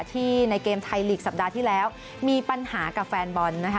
ในเกมไทยลีกสัปดาห์ที่แล้วมีปัญหากับแฟนบอลนะคะ